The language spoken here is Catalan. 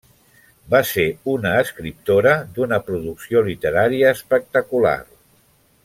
Va ser una escriptora d'una producció literària espectacular.